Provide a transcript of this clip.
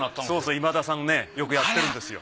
今田さんねよくやってるんですよ。